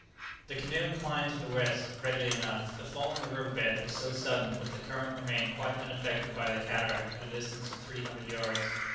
The canoe inclined to the west readily enough; the fall in the river bed was so sudden that the current remained quite unaffected by the cataract at a distance of three hundred yards.